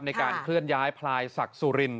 ในการเคลื่อนย้ายพลายศักดิ์สุริน